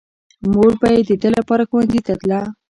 مور به يې د ده لپاره ښوونځي ته تله.